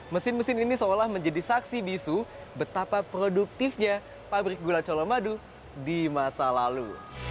mesin mesin ini seolah menjadi saksi bisu betapa produktifnya pabrik gula colomadu di masa lalu